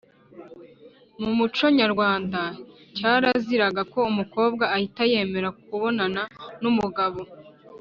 Mu muco nyarwanda cyaraziraga ko umukobwa ahita yemera kubonana n’umugabo